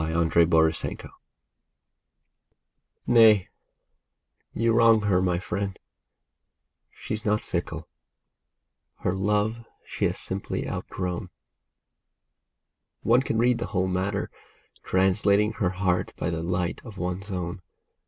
OUTGROWN Nay, you wrong her, my friend, she's not fickle ; her love she has simply outgrown ; One can read the whole matter, translating her heart by the light of one's own.